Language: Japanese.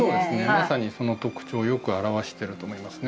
まさにその特徴をよく表してると思いますね